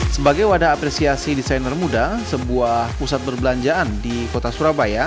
sebagai wadah apresiasi desainer muda sebuah pusat perbelanjaan di kota surabaya